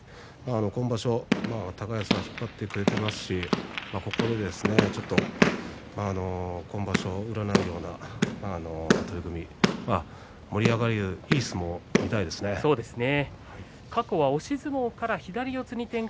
今場所は高安が光ってくれていますし今場所を占うような取組、盛り上げるようないい相撲が見たいですね。